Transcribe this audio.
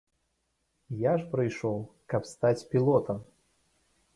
Я ж прыйшоў, каб стаць пілотам!